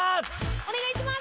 お願いします！